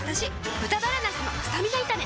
「豚バラなすのスタミナ炒め」